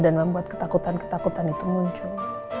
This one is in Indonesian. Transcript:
dan membuat ketakutan ketakutan itu muncul